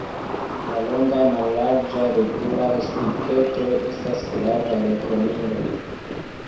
La longaj mallarĝaj purpuraj spiketoj estas grava rekonilo.